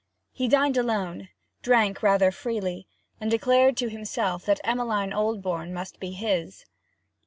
He dined alone, drank rather freely, and declared to himself that Emmeline Oldbourne must be his.